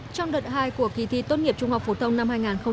trong đợt hai của kỳ thi tốt nghiệp trung học phổ thông năm hai nghìn hai mươi